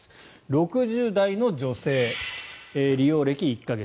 ６０代の女性利用歴１か月。